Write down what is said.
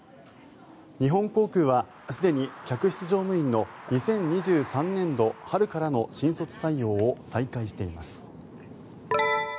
日本航空はすでに客室乗務員の２０２３年度春からの新卒採用を再開しています。